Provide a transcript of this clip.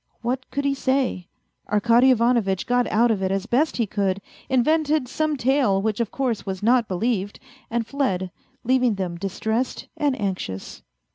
What could he say ? Arkady Ivanovitch got out of it as best he could, invented some tale which of course was not believed, and fled, leaving them distressed and anxious.